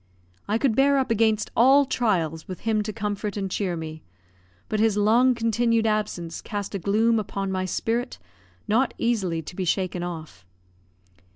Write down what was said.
I could bear up against all trials with him to comfort and cheer me, but his long continued absence cast a gloom upon my spirit not easily to be shaken off.